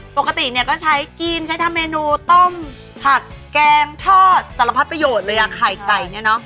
ปกติเนี่ยก็ใช้กินใช้ทำเมนูต้มผักแกงทอดสารพัดประโยชน์เลยอ่ะไข่ไก่เนี่ยเนอะ